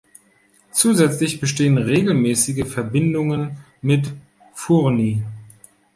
Zusätzlich bestehen regelmäßige Verbindungen mit Fourni.